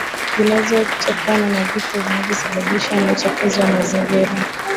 zinazotokana na vifo vinavyosababishwa na uchafuzi wa mazingira